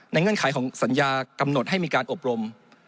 เงื่อนไขของสัญญากำหนดให้มีการอบรม